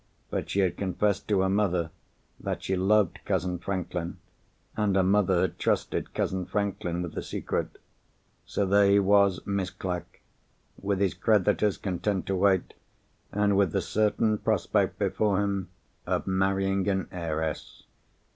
But she had confessed to her mother that she loved cousin Franklin, and her mother had trusted cousin Franklin with the secret. So there he was, Miss Clack, with his creditors content to wait, and with the certain prospect before him of marrying an heiress.